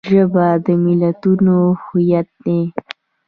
ژبه د ملتونو هویت دی